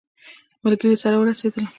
ملګري سره ورسېدلم.